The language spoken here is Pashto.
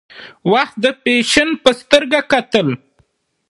وخت د فیشن په سترګه کتل.